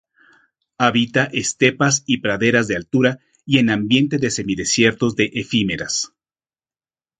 Habita estepas y praderas de altura, y en ambiente de semidesiertos de efímeras.